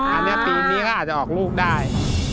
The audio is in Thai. อันนี้ปีนี้ก็อาจจะออกลูกได้